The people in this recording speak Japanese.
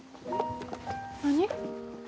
何？